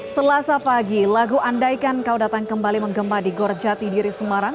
selasa pagi lagu andaikan kau datang kembali menggema di gorjati diri semarang